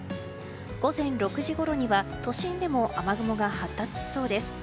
午前６時ごろには都心でも雨雲が発達しそうです。